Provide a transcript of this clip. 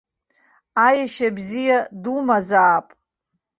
Аешьа бзиа думазаап.